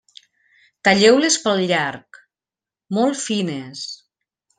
Talleu-les pel llarg, molt fines.